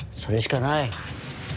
それしかない。